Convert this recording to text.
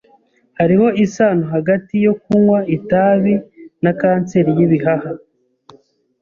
Hariho isano hagati yo kunywa itabi na kanseri yibihaha.